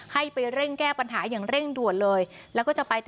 ให้ไปเร่งแก้ปัญหาอย่างเร่งด่วนเลย